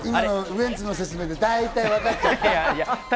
ウエンツの説明で大体わかっちゃった。